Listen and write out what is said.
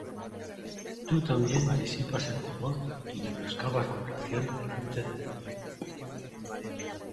Tú también disipas el temor, Y menoscabas la oración delante de Dios.